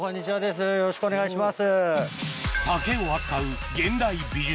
よろしくお願いします。